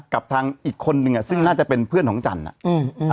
กับทางอีกคนนึงอ่ะซึ่งน่าจะเป็นเพื่อนของจันทร์อ่ะอืม